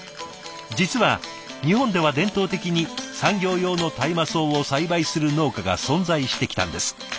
実は日本では伝統的に産業用の大麻草を栽培する農家が存在してきたんです。